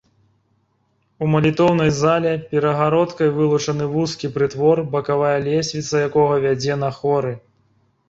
У малітоўнай зале перагародкай вылучаны вузкі прытвор, бакавая лесвіца якога вядзе на хоры.